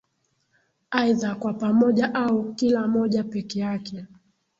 Aidha kwa pamoja au kila moja peke yake